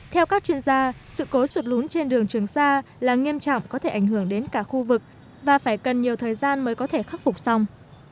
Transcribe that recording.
theo các chuyên gia sự cố sụt lún trên đường trường sa là nghiêm trọng có thể ảnh hưởng đến cả khu vực và phải cần nhiều thời gian mới có thể khắc phục xong